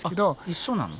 一緒なの？